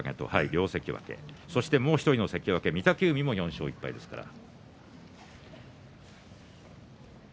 両関脇、そしてもう１人の関脇御嶽海も４勝１敗ですから。